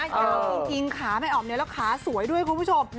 ยาวจริงขาไม่ออกเนี่ยแล้วขาสวยด้วยคุณผู้ชม